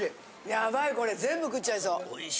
やばいこれ全部食っちゃいそう。